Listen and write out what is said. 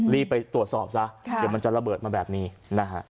รีบไปตรวจสอบซะเดี๋ยวมันจะระเบิดมาแบบนี้นะฮะ